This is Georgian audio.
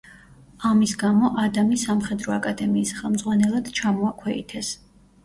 ამის გამო ადამი სამხედრო აკადემიის ხელმძღვანელად ჩამოაქვეითეს.